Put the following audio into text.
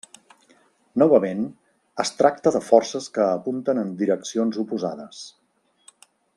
Novament es tracta de forces que apunten en direccions oposades.